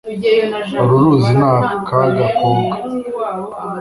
uru ruzi ni akaga koga